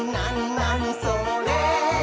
なにそれ？」